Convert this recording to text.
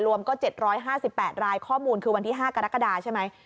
รวมก็๗๕๘รายข้อมูลคือวันที่๕กรกฎาใช่ไหม